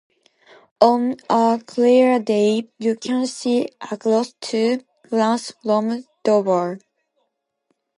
On a clear day you can see across to France from Dover.